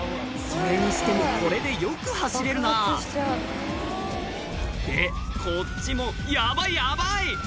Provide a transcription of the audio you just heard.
それにしてもこれでよく走れるなでこっちもヤバいヤバい！